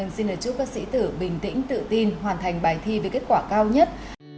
xin lời chúc các sĩ tử bình tĩnh tự tin hoàn thành bài thi với kết quả cao nhất